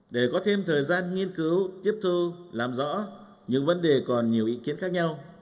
để có thêm thời gian nghiên cứu tiếp thu làm rõ những vấn đề còn nhiều ý kiến khác nhau